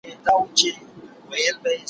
له مکتبه له مُلا يې ستنولم